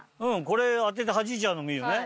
これ当ててはじいちゃうのもいいよね。